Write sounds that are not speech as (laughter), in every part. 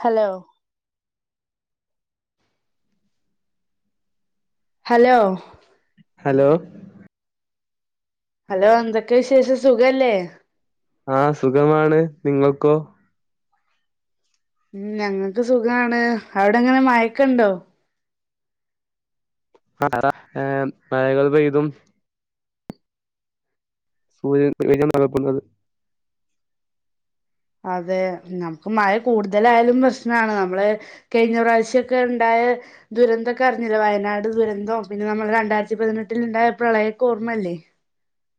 Hello hello hello hello എന്തൊക്കെ വിശേഷം സുഖല്ലേ ആഹ് സുഖമാണ് നിങ്ങൾക്കോ ഉം ഞങ്ങൾക്ക് സുഖാണ് അവിടെങ്ങനെ മയക്കെണ്ടോ ആഹ് ഏഹ് മഴകൾ പെയ്തും (unintelligible) അതെ നമുക്ക് മഴ കൂടുതലായാലും പ്രശ്നമാണ് നമ്മള് കെഴിഞ്ഞ പ്രാവശ്യോക്കെ ഉണ്ടായ ദുരന്തൊക്കെ അറിഞ്ഞില്ലേ വയനാട് ദുരന്തം ഒക്കെ അറിഞ്ഞിലെ പിന്നെ നമ്മള് രണ്ടായിരത്തി പതിനെട്ടിൽ ഉണ്ടായ പ്രളയൊക്കെ ഓർമ്മയില്ലേ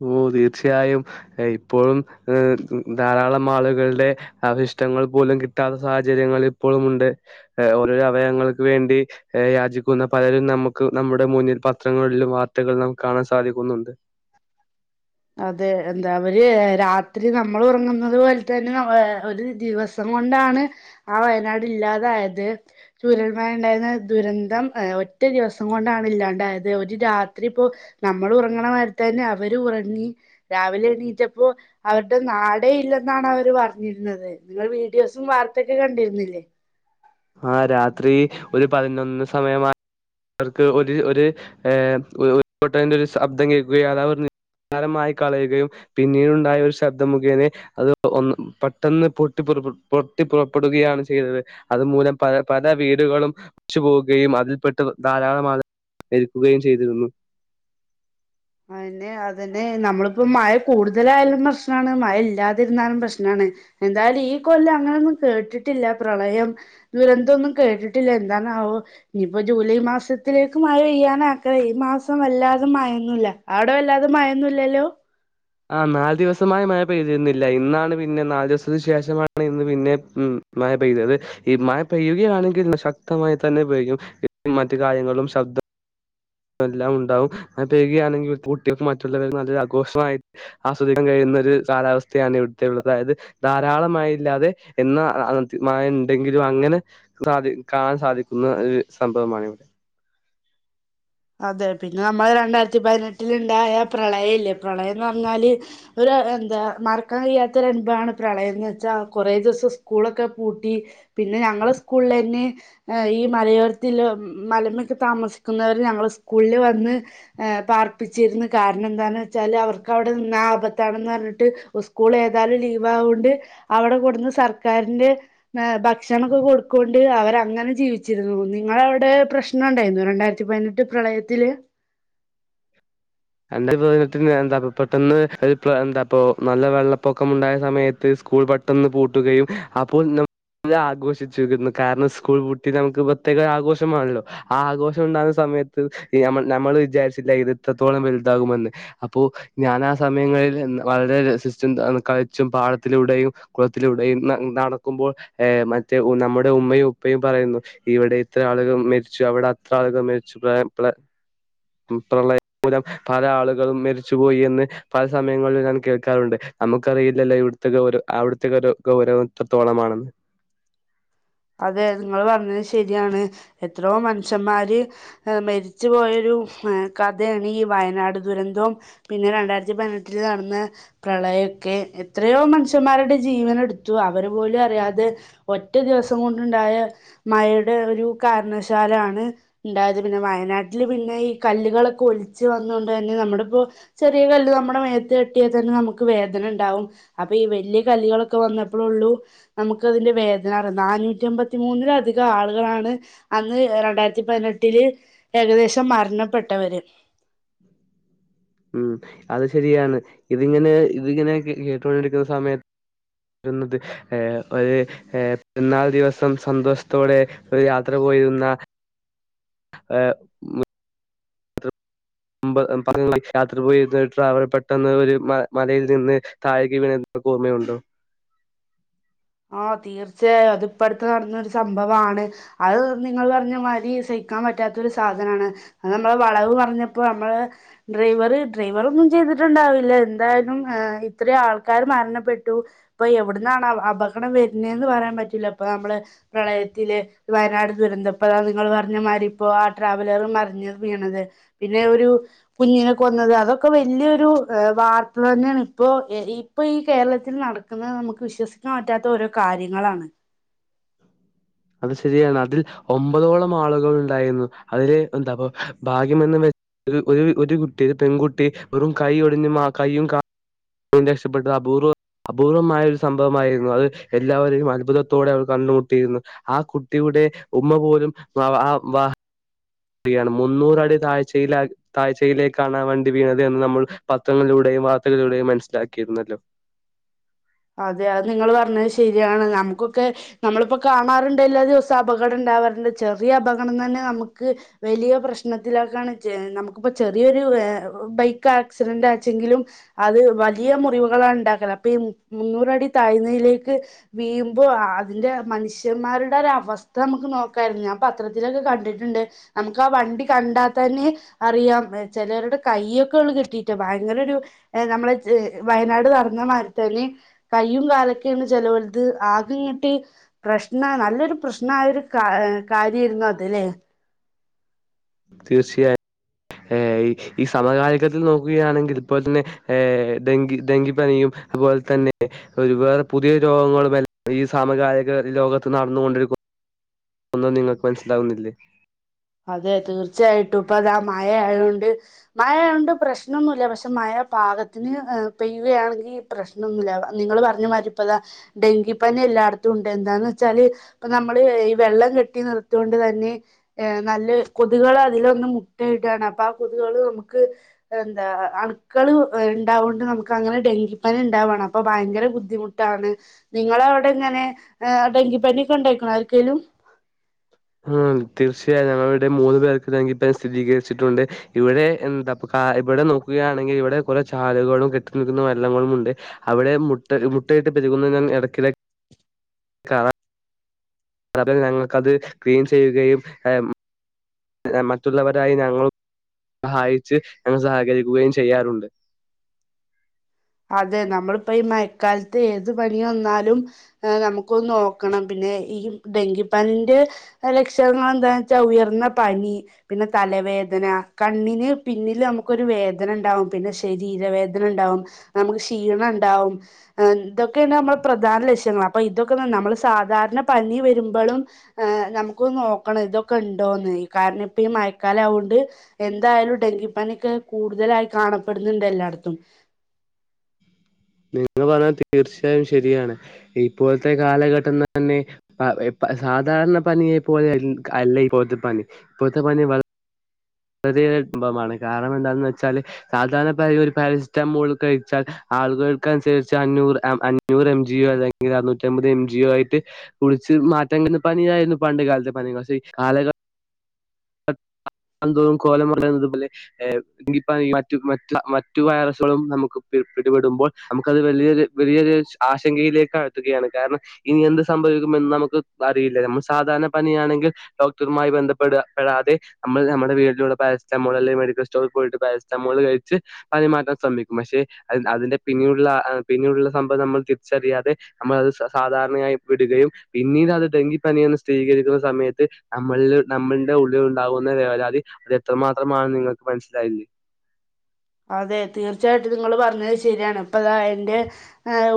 ഓഹ് തീർച്ചയായും ആഹ് ഇപ്പോഴും ഏഹ് ധാരാളം ആളുകളുടെ അവശിഷ്ടങ്ങൾ പോലും കിട്ടാത്ത സാഹചര്യങ്ങൾ ഇപ്പോഴുംണ്ട് ഓരോ അവയങ്ങൾക്ക് വേണ്ടി ഏഹ് യാചിക്കുന്ന പലരും നമുക്ക് നമ്മുടെ മുന്നിൽ പത്രങ്ങളിലും വാർത്തകൾ നമുക്ക് കാണാൻ സാധിക്കുന്നുണ്ട് അതെ എന്താ അവര് രാത്രി നമ്മൾ ഉറങ്ങുന്നത് പോലെ തന്നെ ഏഹ് ഒരു ദിവ സം കൊണ്ടാണ് ആഹ് വയനാട് ഇല്ലാതായത് ചുരൽമയ ഉണ്ടായിരുന്ന ദുരന്തം ഏഹ് ഒറ്റ ദിവസം കൊണ്ടാണ് ഇല്ലാണ്ടായത് ഒരു രാത്രി പ്പോ നമ്മള് ഉറങ്ങ്ണ നേരത്തന്നെ അവരും ഉറങ്ങി രാവിലെ എണീറ്റപ്പോ അവരുടെ നാടേ ഇല്ലെന്നാണ് അവര് പറഞ്ഞിരുന്നത് നിങ്ങൾ വീഡിയോസും വാർത്തൊക്കെ കണ്ടിരുന്നില്ലേ ആഹ് രാത്രി ഒരു പതിനൊന്ന് സമയമാ അർക്ക് ഒര് ഒര് എഹ് ഒഹ് ഒര് പൊട്ടൽന്റൊര് ശബ്ദം കേൾക്കുയാ അതാ പർഞ്ഞ് ആരമായി കളയുകയും പിന്നീടുണ്ടായ ഒരു ശബ്ദമുഖേനെ അത് ഒന്ന് പെട്ടെന്ന് പൊട്ടി പുറപെട് പൊട്ടി പുറപ്പെടുകയാണ് ചെയ്തത് അത് മൂലം പല പല വീടുകളും ച്ചു പോവുകയും അതിൽപെട്ട് ധാരാളമാൾ രിക്കുകയും ചെയ്തിരുന്നു അയന്നെ അതന്നെ നമ്മള്പ്പോ മഴ കൂടുതലായാലും പ്രശ്നാണ് മഴല്ലാതിര്ന്നാലും പ്രശ്നാണ് എന്തായാലും ഈ കൊല്ലം അങ്ങനെന്നും കേട്ടിട്ടില്ല പ്രളയം ദുരന്തോന്നും കേട്ടിട്ടില്ല എന്തണാവോ ഞിപ്പോ ജൂലൈ മാസത്തിലേക്ക് മഴെയ്യാനക്കരെ ഈ മാസം വല്ലാതെ മയെന്നുല്ല അവ്ട വല്ലാതെ മയന്നുല്ലല്ലോ ആഹ് നാല് ദിവസമായ മഴ പെയ്തിരുന്നില്ല ഇന്നാണ് പിന്നെ നാല് ദിവസത്തി ശേഷമാണ് ഇന്ന് പിന്നെ ഉം മഴ പെയ്തെ അത് ഈ മഴ പെയ്യുകയാണെങ്കിൽ ശക്തമായി തന്നെ പെയ്യും ഇ മറ്റു കാര്യങ്ങളും ശബ്ദം എല്ലാം ഉണ്ടാവും മഴ പെയ്യുകയാണെങ്കിൽ കൂട്ടികൾക്ക് മറ്റുള്ളവരെ നല്ലതാക്കൂഷ്മായി ആസ്വദിക്കാൻ കഴിയുന്ന ഒര് സാലാവസ്ഥയാണ് ഇവിട്ത്തെ ഉള്ള അതായത് ധാരാളമായി ഇല്ലാതെ എന്ന അഹ് അഹ് ത്ത് മഴെണ്ടെങ്കിലും അങ്ങനെ സാധി കാണാൻ സാധിക്കുന്ന ഒരു സംഭവമാണിവടെ അതെ പിന്നെ നമ്മളരണ്ടായിരത്തി പതിനെട്ടില്ണ്ടായ പ്രളയ ഇല്ലേ പ്രളയംന്ന് പർഞ്ഞാല് ഒരു എന്താ മർക്കാൻ കഴിയാത്ത ഒരൻഭവാണ് പ്രളയംന്ന് വെച്ചാ കൊറെ ദീസം സ്കൂളൊക്കെ പൂട്ടി പിന്നെ ഞങ്ങള സ്കൂൾലന്നെ എഹ് ഈ മലയോരത്തിലും മലമൊക്കെ താമസിക്കുന്നവര് ഞങ്ങള് സ്കൂൾല് വന്ന് ഏഹ് പാർപ്പിച്ചിര്ന്നു കാര്നന്താന്നച്ചാല് അവർക്ക് അവടെ നിന്നാ ആപത്താണെന്ന് പർഞ്ട്ട് ഉസ് സ്കൂൾ ഏതായാലും ലീവാവോണ്ട് അവടെ കൊടുന്ന് സർക്കാര്ന്റെ നേ ഭക്ഷ് ക്ഷണക്ക കൊട്കോണ്ട് അവരങ്ങനെ ജീവിച്ചിരുന്നു നിങ്ങളവടെ പ്രശ്നംണ്ടായിര്ന്നു രണ്ടായിരത്തി പൈന റ്റു പ്രളയത്തില് (unintelligible) എന്റെ (unintelligible) എന്താ പെട്ടെന്ന് ഒര് പ്ര എന്താപോ നല്ല വെള്ളപ്പൊക്കം ഉണ്ടായ സമയത്ത് സ്കൂൾ ബട് ട്ടന്ന് പൂട്ടുകയും അപ്പോൾ ന്നും ല്ലാഘോഷിച്ചിരുന്നു കാര്നം സ്കൂൾ പൂട്ടി നമക്ക് പ്രത്യേക ആഘോഷമാൺല്ലോ ആഹ് ആഘോഷം ഉണ്ടാകുന്ന സമയത്ത് യമള് നമ്മള് വിചാര്ച്ചില്ല ഇത് എത്രത്തോളം വെൽതാകുമന്ന് അപ്പോ ഞാനാ സമയങ്ങളിൽ നിന്ന് വളരെ രസിസ്റ്റംന്താന്ന് കളിച്ചും പാടത്തിലൂടെയും കൊളത്തിലൂടെയും ന നടക്കുമ്പോൾ എഹ് മറ്റേ ഉ നമ്മുടെ ഉമ്മയും ഉപ്പയും പറയുന്നു ഇവടെ ത്ര ആളുകൾ മെരിച്ചു അവ്ടെ അത്ര ആളുകൾ മരിച്ചു പ്രായം പ്ല പ്രളയം മൂലം പല ആള്കളും മരിച്ചുപോയി എന്ന് പല സമയങ്ങളിൽ ഞാൻ കേൾക്കാറുണ്ട് നമുക്കറിയില്ലല്ലോ ഇവ്ട്ത്തക്കെ ഓരോ അവ്ട്ത്തേക്ക ഓരോ കൗരവം ത്രത്തോളമാണന്ന് അതെ നിങ്ങൾ പർഞ്ഞത് ശര്യാണ് എത്രോ മൻഷ്യമ്മാര് ഹ് മര്ച്ച് പോയൊരു എഹ് കഥേണ് ഈ വയനാട് ദുരന്തൊം പിന്നെ രണ്ടായിര്ത്തി പതിനെട്ടില് നടന്നാ പ്രളയക്കെ എത്രയോ മനുഷ്യന്മാരുടെ ജീവനട്ത്തു അവര്പോലുഅറിയാതെ ഒറ്റ ദിവസം കൊണ്ട്ണ്ടായ മഴേടെ ഒരു കാര്ണശാലാണ് ണ്ടായത് പിന്നെ വയനാട്ടില് പിന്നെ ഈ കല്ല്കളൊക്കെ ഒൽച്ച് വന്നോണ്ടന്നെ നമ്മുടെ പോ ചെറിയ കല്ല് നമ്മുടെ മേത്ത് തട്ടിയാൽ തന്നെ നമുക്ക് വേദനണ്ടാവും അപ്പൊ ഈ വല്യയ കല്ലികളൊക്കെ വന്നപ്പോളള്ളൂ നമുക്ക് അതിന്റെ വേദനാറി നാനൂറ്റി അമ്പത്തി മൂന്നിലധികം ആളുകളാണ് അന്ന് രണ്ടായിരത്തി പതിനെട്ടില് ഏകദേശം മരണപ്പെട്ടവര് ഉം അത് ശരിയാണ് ഇതിങ്ങനെ ഇതിങ്ങനെ കേട്ടുകൊണ്ടിരിക്കുന്ന സമയത്ത് വരുന്നത് ഏഹ് ഒര് ഏഹ് പെര്ന്നാൾ ദിവസം സന്തോഷത്തോടെ ഒരു യാത്ര പോയിരുന്ന ആഹ് മുമ്പ് യാത്ര പോയിര്ന്ന അവര് പെട്ടെന്ന് ഒരു മലയിൽ നിന്ന് താഴേക്ക് വീണ് ഓർമ്മയുണ്ടൊ ആഹ് തീർച്ചയായും അത്പ്പ അട്ത്ത് നടന്ന സംഭവാണ് അത് നിങ്ങൾ പർഞ്ഞ മാതിരി സഹിക്കാൻ പറ്റാത്ത ഒരു സാധനാണ് ആഹ് നമ്മള് വളവ് പറഞ്ഞപ്പൊ നമ്മള് ഡ്രൈവർ ഡ്രൈവർ ഒന്നും ചെയ്തിട്ടുണ്ടാവില്ല എന്തായാലും ഏഹ് ഇത്രി ആൾക്കാര് മരണപ്പെട്ടു ഇപ്പൊ എവിട്ന്നാണ് അപകടം വരുന്നേന്ന് പറയാൻ പറ്റൂല ഇപ്പൊ നമ്മള് പ്രളയത്തില് വയനാട് ദുരന്തം ഇപ്പൊ അതാ നിങ്ങൾ പറഞ്ഞ മാരിപ്പൊ ആഹ് ട്രാവലർ മറിഞ്ഞ് വീണത് പിന്നെ ഒരൂ കുഞ്ഞിനെ കൊന്നത് അതൊക്കെ വല്യൊരു വാർത്ത തന്നേണ് ഇപ്പൊ ഈ ഇപ്പൊ ഈ കേരളത്തി നടക്ക്ന്നത് നമുക്ക് വിശ്വസിക്കാ പറ്റാത്ത ഓരോ കാര്യങ്ങളാണ് അത് ശരിയാണ് അതിൽ ഒമ്പതോളം ആളുകൾ ഉണ്ടായിരുന്നു അതില് എന്താപ്പ ഭാഗ്യമെന്ന് ഒരു ഒര് കുട്ടി പെൺകുട്ടി വെറും കൈ ഒടിഞ്ഞ് ആഹ് കയ്യും കാ രക്ഷപ്പെട്ടു അബൂർ അപൂർവമായ ഒരു സംഭവമായിരുന്നു അത് എല്ലാവരെയും അത്ഭുതത്തോടെ അവർ കണ്ടുമുട്ടിയിരുന്നു ആഹ് കുട്ടിയുടെ ഉമ്മ പോലും വ (unintelligible) യാണ് മുന്നൂറടി താഴ്ചയ്ല താഴ്ചയിലേക്കാണ വണ്ടി വീണത് എന്ന് നമ്മൾ പത്രങ്ങളിലൂടെയും വാർത്തകിലൂടെയും മനസ്സിലാക്കിയിരുന്നല്ലൊ അതെ അത് നിങ്ങള് പർഞ്ഞത് ശരിയാണ് നമുക്കൊക്കെ നമ്മളിപ്പൊ കാണാറ്ണ്ട് എല്ലാ ദിവസൊ അപകടം ഇണ്ടാവാറുണ്ട് ചെറിയ അപകടം തന്നെ നമുക്ക് വലിയ പ്രശ്നത്തിലേക്കാണ് നമുക്കിപ്പൊ ചെറിയൊരു ബൈക്ക് ആക്സിരന്റാച്ചെങ്കിലും അത് വലിയ മുറിവുകളാണ് ഇണ്ടാക്ക്ണെ അപ്പൊ ഈ മുന്നൂറടി താഴ്ന്നയിലേക്ക് വീഴുമ്പൊ അതിന്റെ മനുഷ്യമ്മാര്ടെ ഒര അവസ്ഥ നമുക്ക് നോക്കാരുന്നു ഞാൻ പത്രത്തിലൊക്ക കണ്ടിട്ടുണ്ട് നമുക്ക് ആഹ് വണ്ടി കണ്ടാത്തന്നെ അറിയാം ചെലോര്ടെ കയ്യക്കൊള്ള് കിട്ടീട്ട് ഭയങ്കര ഒരു ഏഹ് നമ്മള വയനാട് നടന്ന മാരിത്തന്നെ കൈയും കാലൊക്കേണ് ചെലോൽത് ആകെ ഇങ്ങ്ട്ട് പ്രശ്ന നല്ലൊരു പ്രശ്നായൊരു ഏഹ് കാര്യെർന്നു അത് ലേ തീർച്ചയായും ഏഹ് ഈ സമകാലികത്തിൽ നോക്കുകയാണെങ്കി ഇപ്പൊ തന്നെ ഏഹ് ഡെങ്കി ഡെങ്കിപ്പനി അതുപോൽതന്നെ ഒരു വേറെ പുതിയ രോഗങ്ങളു എല്ലാം ഈ സാമകാലിക ലോകത്ത് നടന്നോണ്ടിരിക്കു ഒന്നും നിങ്ങക്ക് മനസ്സിലാകുന്നില്ലെ അതെ തീർച്ചയായിട്ടും ഇപ്പതാ മഴയായതോണ്ട് മഴയോണ്ട് പ്രശ്നൊന്നുല്ല പക്ഷെ മഴ പാകത്തിന് ഏഹ് പെയ്യുകയാണെങ്കി പ്രശ്നൊന്നില്ല നിങ്ങള് പറ്ഞ്ഞ മാരി ഇപ്പതാ ഡെങ്കിപ്പനി എല്ലാട്ത്തൂണ്ട് എന്താന്ന് വെച്ചാല് ഇപ്പൊ നമ്മള് ഈ വെള്ളം കെട്ടി നിർത്തോണ്ട് തന്നെ ഏഹ് നല്ല കൊത്കേള് അതിലൊന്ന് മുട്ടയിടാണ് അപ്പൊ ആഹ് കൊതുകേള് നമുക്ക് എന്താ അണുക്കള് ഇണ്ടാവോണ്ട് നമുക്ക് അങ്ങനെ ഡെങ്കിപ്പനി ഇണ്ടാവാണ് അപ്പൊ ഭയങ്കര ബുദ്ധിമുട്ട് നിങ്ങളെ അവിടെ ഇങ്ങനെ ഡെങ്കിപ്പനിഒക്കെ ഉണ്ടയിക്ക്ണോ ആര്ക്കേലും? ആഹ് തീർച്ചയായും ഞങ്ങള ഇടെ മൂന്ന് പേർക്ക് ടങ്കിപ്പനി സ്ഥിരീകരിച്ചിട്ടുണ്ട്. ഇവിടെ എന്താ ഇവിടെ നോക്കുകയാണെങ്കിൽ ഇവിടെ കുറെ ചാലുകളും കെട്ടി നിൽക്കുന്ന വരള്ളങ്ങളും ഉണ്ട്- അവിടെ മുട്ട മുട്ടയിട്ട് പെരുകുന്ന ഇടയ്ക്കിടെ കാണാം- അത് ഞങ്ങൾക്കത് ക്ലീൻ ചെയ്യുകയും- മറ്റുള്ളവരായി ഞങ്ങൾ സഹായിച്ച് ഞങ്ങൾ സഹകരിക്കുകയും ചെയ്യാറുണ്ട്- അതെ നമ്മളിപ്പോ ഈ മഴക്കാലത്ത് ഏത് പനി വന്നാലും- ഏഹ് നമുക്കൊന്ന് നോക്കണം പിന്നെ ഈ ഡെങ്കിപ്പനിന്റെ- ലക്ഷണങ്ങൾ എന്താന്ന് വെച്ചാൽ ഉയർന്ന പനി- പിന്നെ തലവേദന കണ്ണിന് പിന്നില് നമുക്കൊരു വേദനണ്ടാവും പിന്നെ- ശരീരവേദനണ്ടാവും നമുക്ക് ക്ഷീണണ്ടാവും. ഇതൊക്കെയാണ് നമ്മൾ പ്രധാന ലക്ഷ്യങ്ങൾ അപ്പൊ ഇതൊക്കെ നമ്മള് സാധാരണ പനി വരുമ്പളും- നമുക്ക് നോക്കണം ഇതൊക്കെ ഉണ്ടോന്ന് കാരണം ഇപ്പൊ ഈ മഴക്കാലം ആവുണ്ട്- എന്തായാലും ഡെങ്കിപ്പനൊക്ക് കൂടുതലായി കാണപ്പെടുന്നുണ്ട് എല്ലാട്ത്തും- നിങ്ങ പറഞ്ഞാൽ തീർച്ചയായും ശരിയാണ് ഇപ്പോഴത്തെ കാലഘട്ടം തന്നെ- സാധാരണ പനിയെ പോലെ അല്ല ഇപൊഴത്ത പനി ഇപ്പോഴത്തെ പനി വ വളരെ പ്രബമാണ് കാരണം എന്താന്ന് വെച്ചാൽ- സാധാരണ ഒരു പാരസിെറ്റമോൾ കഴിച്ചാൽ ആളുകൾക്കനുസരിച്ച് അഞ്ഞൂറ് അഞ്ഞൂറ് എം ജി ഒ അല്ലെങ്കിൽ അറുന്നൂറ്റമ്പത് എം ജി ആയിട്ട്- കുളിച്ചു മാറ്റാൻ പനിയായിരുന്നു പണ്ട് കാലത്തെ പനി പക്ഷേ ആളുകൾ- എന്തോറും കോലംറയുന്നത് പോലെ- എങ്കി പറ മറ്റ മറ്റ മറ്റു വൈറസുകളും നമുക്ക് പി പിടിപെടുമ്പോൾ നമുക്കത് വലിയ വലിയരു- ആശങ്കയിലേക്ക് അഴത്തുകയാണ് കാരണം- ഇനി എന്ത് സംഭവിക്കും എന്ന് നമുക്ക് അറിയില്ല നമ്മൾ സാധാരണ പനിയാണെങ്കിൽ ഡോക്ടറുമായി ബന്ധപ്പെടുക. പെടാതെ നമ്മള് നമ്മുടെ വീട്ടിലൂടെ പാരസ്സറ്റമോൾ അല്ലെങ്കി മെഡിക്കൽ സ്റ്റോൽ പോയിട്ട് പാരസ്റ്റമോൾ കഴിച്ച്- പനി മാറ്റാൻ ശ്രമിക്കും പക്ഷെ അതിന്റെ പിന്നീടുള്ള പിന്നീടുള്ള സംഭവം നമ്മൾ തിരിച്ചറിയാതെ- നമ്മൾ അത് സാധാരണയായി വിടുകയും പിന്നീട് അത് ഡെങ്കി പനിയന്ന് സ്ഥിരീകരിക്കുന്ന സമയത്ത്- നമ്മള് നമ്മളുടെ ഉള്ളിൽ ഉണ്ടാകുന്ന വേവലാതി അത് എത്രമാത്രമാണ നിങ്ങൾക്ക് മനസ്സിലായില്ലേ? അതെ തീർച്ചയായിട്ടും നിങ്ങള് പറഞ്ഞത് ശരിയാണ് ഇപ്പ അതാ എൻ്റെ-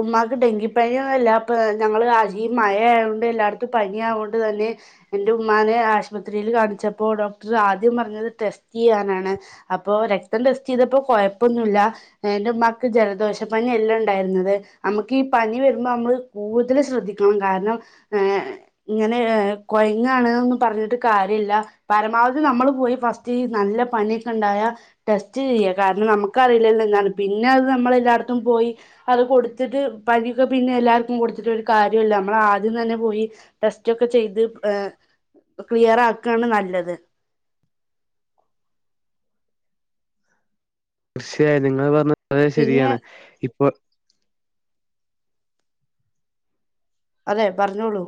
ഉമ്മാക്ക് ഡെങ്കിപ്പനിയൊന്നുംല്ല അപ്പ ഞങ്ങള്ൾ ആഹ് മഴയതോൊണ്ട് എല്ലായിടത്തും പനി ആയതുകൊണ്ട് തന്നെ- എന്റെ ഉമ്മാനെ ആശുപത്രിയിൽ കാണിച്ചപ്പോ ഡോക്ടർ ആദ്യം പറഞ്ഞത് ടെസ്റ്റ് ചെയ്യാനാണ്- അപ്പൊ രക്തം ടെസ്റ്റ് ചെയ്തപ്പോ കൊഴപ്പൊന്നുമല്ല- എൻ്റെ ഉമാക്ക് ജലദോഷപനി അല്ല ഉണ്ടായിരുന്നത്- നമുക്ക് ഈ പനി വരുമ്പോ നമ്മള് കൂടുതൽ ശ്രദ്ധിക്കണം കാരണം ഏഹ്- ഇങ്ങനെ കൊയങ്ങാണ്ന്നും പറഞ്ഞിട്ട് കാര്യം ഇല്ല- പരമാവധി നമ്മള് പോയി ഫസ്റ്റ് ഈ നല്ല പനിയൊക്കെ ഉണ്ടായ- ടെസ്റ്റ് ചെയ്യ കാരണം നമുക്കറിയില്ലല്ലോ എന്താണ് പിന്നെ അത് നമ്മള എല്ലായിടത്തും പോയി- അത് കൊടുത്തിട്ട് പനിക്കെ പിന്നെ എല്ലാക്കും കൊട്ത്തിട്ട് ഒര് കാര്യേം ഇല്ല നമ്മളേ ആദ്യം തന്നെ പോയി- ടെസ്റ്റ് ഒക്കെ ചെയ്ത് യെ ക്ലിയർ ആക്കായാണ് നല്ലത്- പക്ഷേ നിങ്ങള് പറഞ്ഞത് വളരെ പിന്നെ ശെരിയാണ് ഇപ്പൊ- അതെ പറഞ്ഞോളൂ.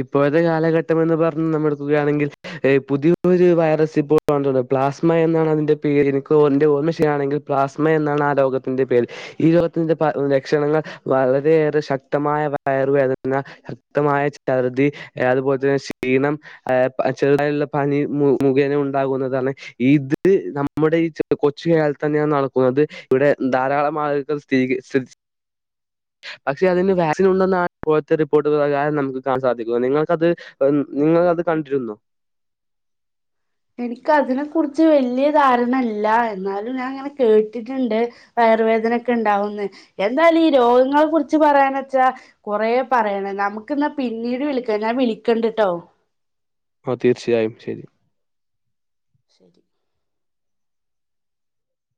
ഇപ്പഴോത്തെ കാലഘട്ടം എന്ന് പറഞ്ഞ് നമ്മൾ എടുക്കുകയാണെങ്കിൽ- യെ പുതിയൊരു വൈറസ് ഇപ്പോൾ പടർന്ന് പ്ലാസ്മ എന്നാണ് അതിന്റെ പേര് എനിക്ക് എൻ്റെ ഓർമ്മാ ശെരിയാണേങ്കി- പ്ലാസ്മ എന്നാണ് ആഹ് രോഗത്തിന്റെ പേര്. ഈ രോഗത്തിന്റെ പ ലക്ഷണങ്ങള് വളരെയേറെ ശക്തമായ വയറ് വേദനാ- ശക്തമായ ഛർദി അത് പോലെ തന്നെ ക്ഷീണം ആഹ് ചെറുതായോള്ള പനി മുഖേന ഒണ്ടാകുന്നതാണ് ഇത് നമ്മടെ ഈ കൊച്ച് കേരളത്തി തന്നെയാണ് നടക്കുന്നത് ഇവടെ ധാരാളം ആളുകള് (unintelligible) അതിന് വാക്സിൻ ഒണ്ടെന്നാണ് പോലത്തെ റിപ്പോർട്ട് പ്രകാരം നമ്മക്ക് സാധിക്കോ നിങ്ങക്ക് അത് നിങ്ങള് അത് കണ്ടിരുന്നോ എനിക്ക് അതിനെ കുറിച്ച് വല്ല്യ ധാരണ ഇല്ല എന്നാലും ഞാൻ ഇങ്ങനെ കേട്ടിട്ടൊണ്ട് വയറ് വേദനൊക്കെ ഇണ്ടാവൂന്ന് എന്താലും ഈ രോഗങ്ങളെ കുറിച്ച് പറയാന്ന് വെച്ചാ കൊറേ പറയണം നമ്മക്ക് എന്നാ പിന്നീട് വിളിക്കാം ഞാൻ വിളിക്കണ്ട് ഇട്ടോ ആഹ് തീർച്ചയായും ശെരി ശെരി